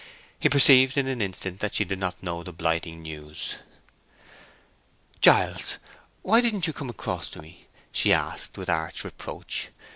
He perceived in an instant that she did not know the blighting news. "Giles, why didn't you come across to me?" she asked, with arch reproach.